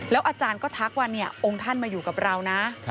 อาจารย์ก็ทักว่าองค์ท่านมาอยู่กับเรานะ